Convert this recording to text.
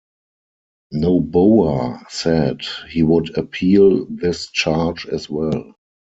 Noboa said he would appeal this charge as well.